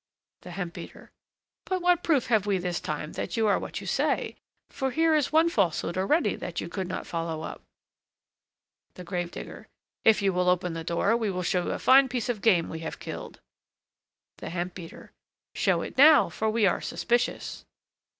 THE HEMP BEATER. But what proof have we this time that you are what you say? for here is one falsehood already that you could not follow up. THE GRAVE DIGGER. If you will open the door, we will show you a fine piece of game we have killed. THE HEMP BEATER. Show it now, for we are suspicious.